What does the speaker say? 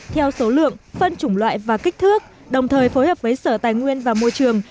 theo số lượng phân chủng loại và kích thước đồng thời phối hợp với sở tài nguyên và môi trường